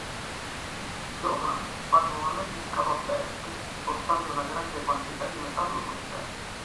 Johann fa nuovamente scalo a Berk, portando una grande quantità di metallo con sé.